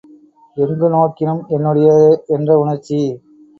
எங்கு நோக்கினும் என்னுடையது என்ற உணர்ச்சி!